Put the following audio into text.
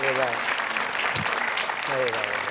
ไม่อยากได้